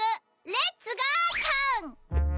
レッツゴートン！